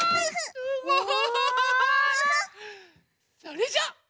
それじゃあ。